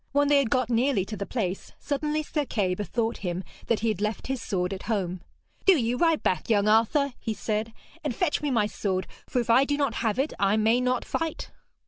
When they had got nearly to the place, suddenly Sir Kay bethought him that he had left his sword at home. 'Do you ride back, young Arthur,' he said, 'and fetch me my sword, for if I do not have it I may not fight.'